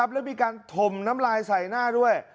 แล้วมีการถมน้ำลายใส่หน้าด้วย